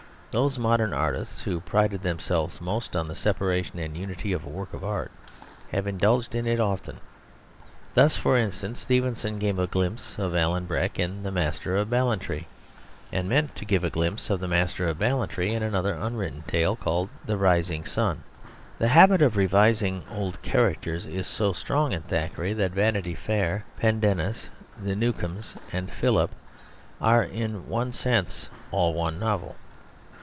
Those modern artists who pride themselves most on the separation and unity of a work of art have indulged in it often; thus, for instance, Stevenson gave a glimpse of Alan Breck in The Master of Ballantrae, and meant to give a glimpse of the Master of Ballantrae in another unwritten tale called The Rising Sun. The habit of revising old characters is so strong in Thackeray that Vanity Fair, Pendennis, The Newcomes, and Philip are in one sense all one novel.